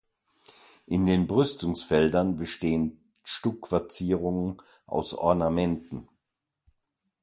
In den Brüstungsfeldern bestehen Stuckverzierungen aus Ornamenten.